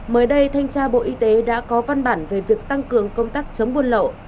mới đây thanh tra bộ y tế đã có văn bản về việc tăng cường công tác chống buôn lậu